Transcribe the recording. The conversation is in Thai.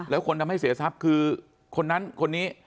แล้วคนทำให้เสียทรัพย์คือคนนั้นคนนี้